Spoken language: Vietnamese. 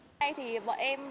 hôm nay thì bọn em